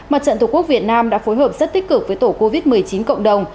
mặt trận tq việt nam đã phối hợp rất tích cực với tổ covid một mươi chín cộng đồng